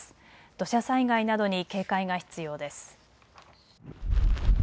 土砂災害などに警戒が必要です。